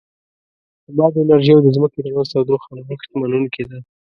د باد انرژي او د ځمکې د منځ تودوخه نوښت منونکې ده.